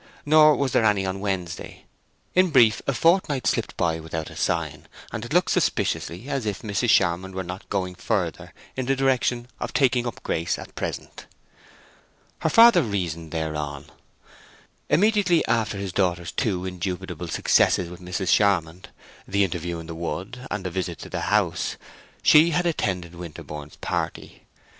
Nor was there any on Wednesday. In brief, a fortnight slipped by without a sign, and it looked suspiciously as if Mrs. Charmond were not going further in the direction of "taking up" Grace at present. Her father reasoned thereon. Immediately after his daughter's two indubitable successes with Mrs. Charmond—the interview in the wood and a visit to the House—she had attended Winterborne's party.